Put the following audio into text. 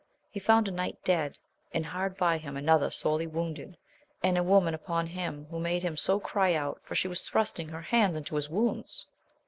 He found a knight dead, and hard by him another sorely wounded, and a woman upon him, who made him so cry out, for she was thrusting her hands into his wounds.